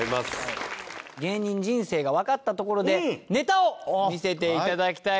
芸人人生がわかったところでネタを見せていただきたいと思います。